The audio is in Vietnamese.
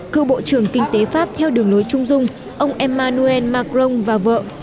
cựu bộ trưởng kinh tế pháp theo đường nối trung dung ông emmanuel macron và vợ